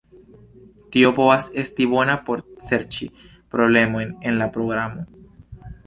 Tio povas esti bona por serĉi problemojn en la programo.